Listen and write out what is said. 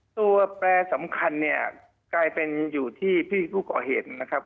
แปรสำคัญเนี่ยกลายเป็นอยู่ที่พี่ผู้ก่อเหตุนะครับ